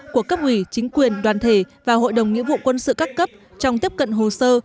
của cấp ủy chính quyền đoàn thể và hội đồng nghĩa vụ quân sự các cấp trong tiếp cận hồ sơ